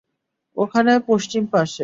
ওখানে, পশ্চিম পাশে।